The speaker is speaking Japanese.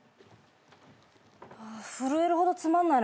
あ震えるほどつまんないな